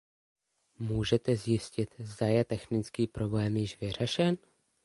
Můžete zjistit, zda je technický problém již vyřešen?